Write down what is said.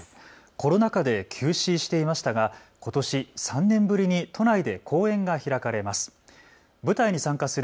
コロナ禍で休止していましたがことし３年ぶりに都内で公演が開かれます。